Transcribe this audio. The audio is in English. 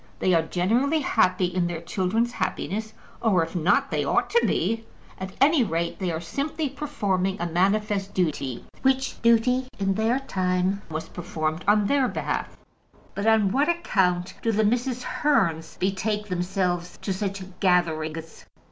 They are generally happy in their children's happiness, or if not, they ought to be. At any rate, they are simply performing a manifest duty, which duty, in their time, was performed on their behalf. But on what account do the Mrs. Hearns betake themselves to such gatherings?